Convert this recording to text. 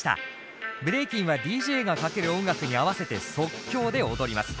ブレイキンはＤＪがかける音楽に合わせて即興で踊ります。